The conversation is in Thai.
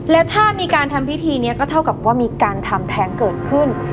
และถ้ามีการทำพิธีนี้ก็เท่ากับว่ามีการทำแท้งเกิดขึ้น